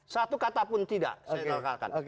satu kata pun tidak saya lokalkan